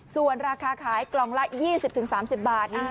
ส่วนราคาขายกล่องละ๒๐๓๐บาท